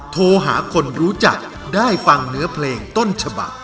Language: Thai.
โทรหาคนรู้จักได้ฟังเนื้อเพลงต้นฉบัก